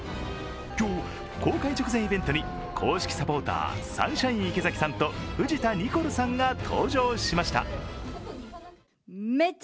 今日、公開直前イベントに公式サポーターサンシャイン池崎さんと藤田ニコルさんが登場しました。